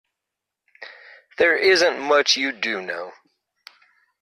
There isn't much you do know.